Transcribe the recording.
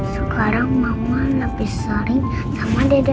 sekarang mama lebih sering sama dede